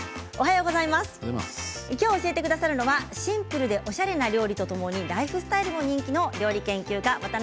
今日、教えてくださるのはシンプルでおしゃれな料理とともにライフスタイルも人気の料理研究家